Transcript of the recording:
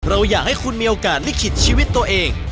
เราอยากให้คุณมีโอกาสลิขิตชีวิตตัวเอง